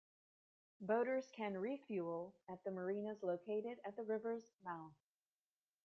Boaters can refuel at the marinas located at the river's mouth.